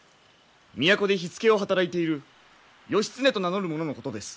都で火付けを働いている義経と名乗る者のことです。